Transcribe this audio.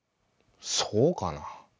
そうかな。